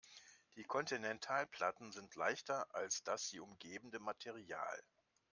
Die Kontinentalplatten sind leichter als das sie umgebende Material.